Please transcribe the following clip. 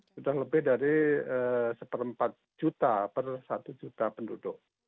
sudah lebih dari satu empat juta per satu juta penduduk